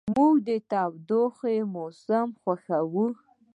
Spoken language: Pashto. موږ د تودوخې موسم خوښوو.